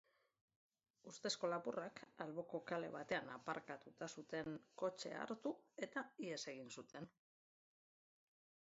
Ustezko lapurrak alboko kale batean apartatuta zuten kotxea hartu eta ihes egin zuten.